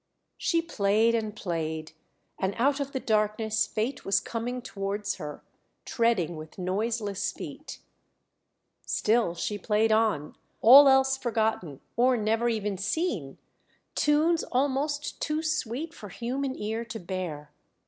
She played and played, and out of the darkness Fate was coming towards her, treading with noiseless feet.... Still she played on, all else forgotten or never even seen, tunes almost too sweet for human ear to bear.